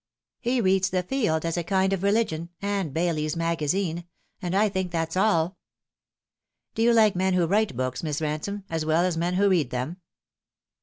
He reads the Field, as a kind of religion, and Daily's Magazine / and I think that's all." " Do you like men who write books, Miss Ransome, as well as men who read them